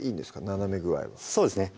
斜め具合はそうですね